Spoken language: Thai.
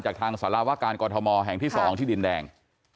จากทางสารวการกรทมแห่งที่๒ที่ดินแดง